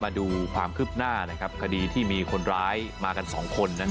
มาดูความคืบหน้าคดีที่มีคนร้ายมากัน๒คน